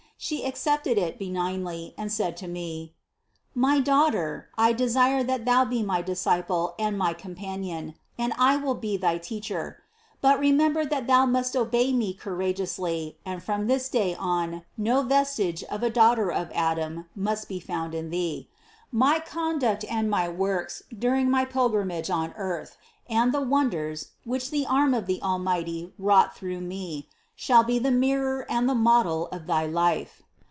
She accepted it benignly and said to me: "My daughter, I desire that thou be my disciple and my companion, and I will be thy Teacher; but remember that thou must obey me courageously and from this day on no vestige of a daughter of Adam must be found in thee. My conduct THE CONCEPTION 29 and my works during my pilgrimage on earth, and the wonders, which the arm of the Almighty wrought through me, shall be the mirror and the mocfel of thy life."